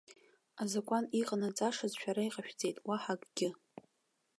Азакәан иҟанаҵашаз шәара иҟашәҵеит, уаҳа акгьы!